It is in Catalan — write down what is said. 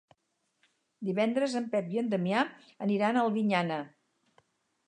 Divendres en Pep i en Damià aniran a Albinyana.